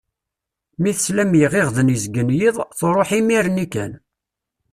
Mi tesla m yiɣiɣden izeggen yiḍ, truḥ imir-nni kan.